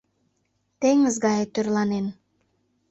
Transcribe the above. Теҥыз гае тӧрланен